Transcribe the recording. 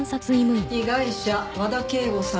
被害者和田圭吾さん